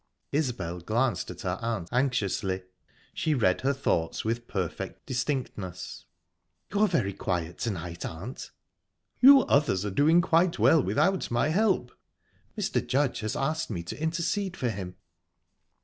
Isbel glanced at her aunt anxiously; she read her thoughts with perfect distinctness. "You're very quiet to night, aunt." "You others are doing quite well without my help." "Mr. Judge has asked me to intercede for him."